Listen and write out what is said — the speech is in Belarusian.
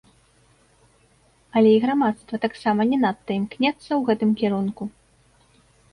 Але і грамадства таксама не надта імкнецца ў гэтым кірунку.